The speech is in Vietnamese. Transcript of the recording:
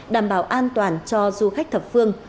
đảm bảo an toàn cho du khách thập phương